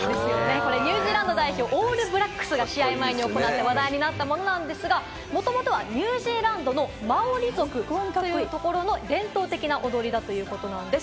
ニュージーランド代表・オールブラックスが試合前に行って、話題になったものなんですが、もともとはニュージーランド、マオリ族の伝統的な踊りだということです。